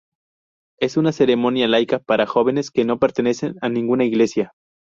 Es una ceremonia laica para jóvenes que no pertenecen a ninguna iglesia.